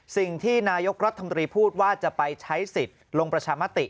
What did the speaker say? สิ่งที่นายกรัฐมนตรีพูดว่าจะไปใช้สิทธิ์ลงประชามติ